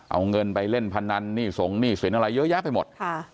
เอาเงินไปเล่นพนันหนี้สงหนี้สินอะไรเยอะแยะไปหมด